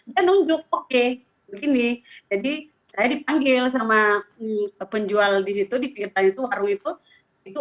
dan nunjuk oke begini jadi saya dipanggil sama penjual disitu dipinggir itu warung itu itu